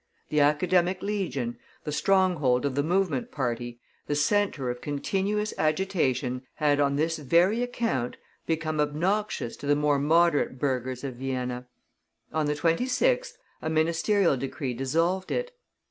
The Academic Legion, the stronghold of the movement party, the centre of continuous agitation, had, on this very account, become obnoxious to the more moderate burghers of Vienna; on the 26th a ministerial decree dissolved it.